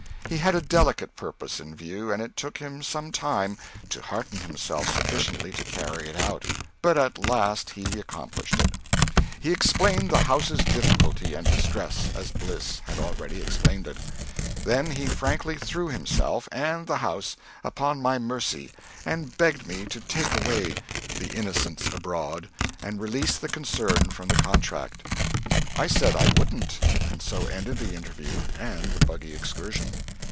He had a delicate purpose in view and it took him some time to hearten himself sufficiently to carry it out, but at last he accomplished it. He explained the house's difficulty and distress, as Bliss had already explained it. Then he frankly threw himself and the house upon my mercy and begged me to take away "The Innocents Abroad" and release the concern from the contract. I said I wouldn't and so ended the interview and the buggy excursion.